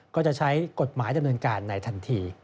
ก็จะใช้กฎหมายดำเนินการในทันที